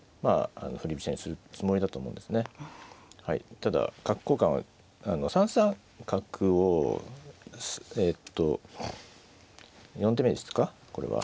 ただ角交換は３三角をえっと４手目ですかこれは。